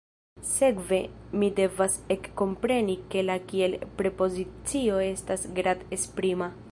Sekve mi devas ekkompreni ke la kiel-prepozicio estas grad-esprima.